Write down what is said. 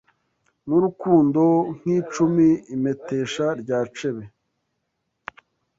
N’urukundo nk’icumi Impetesha rya cebe